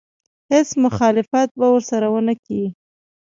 هېڅ مخالفت به ورسره ونه کړي.